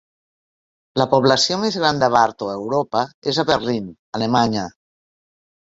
La població més gran de Varto a Europa és a Berlín, Alemanya.